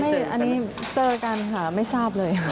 อันนี้เจอกันค่ะไม่ทราบเลยค่ะ